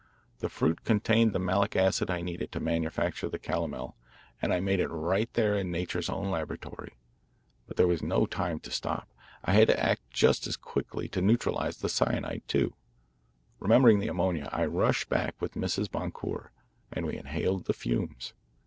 The fruit contained the malic acid I needed to manufacture the calomel, and I made it right there in nature's own laboratory. But there was no time to stop. I had to act just as quickly to neutralise that cyanide, too. Remembering the ammonia, I rushed back with Mrs. Boncour, and we inhaled the fumes.